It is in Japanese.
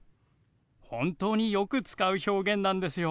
本当によく使う表現なんですよ。